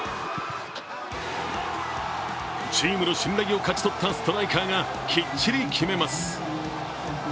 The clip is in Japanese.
チームの信頼を勝ち取ったストライカーがきっちり決めます。